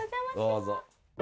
どうぞ。